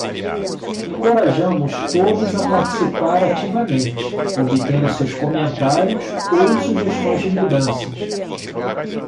Encorajamos todos a participar ativamente, obtendo seus comentários ou sugestões de mudanças.